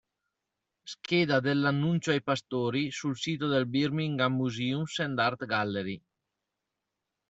Scheda dell"'Annuncio ai pastori" sul sito dei Birmingham Museums and Art Gallery